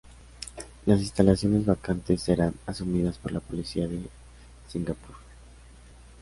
Las instalaciones vacantes serán asumidas por la policía de Singapur.